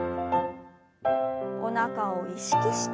おなかを意識して。